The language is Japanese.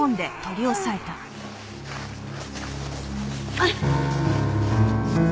あっ。